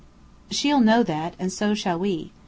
She'll know that, and so shall we.